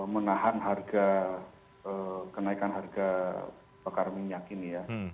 menahan harga kenaikan harga bakar minyak ini ya